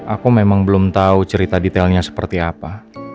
aku memang belum tahu cerita detailnya seperti apa